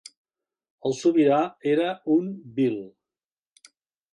El sobirà era un bhil.